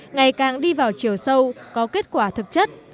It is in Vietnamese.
ngày càng đi vào chiều sâu có kết quả thực chất